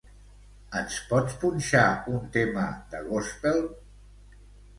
Ens pots punxar un tema de gòspel?